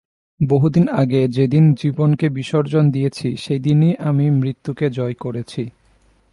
বহুদিন আগে যেদিন জীবনকে বিসর্জন দিয়েছি, সেইদিনই আমি মৃত্যুকে জয় করেছি।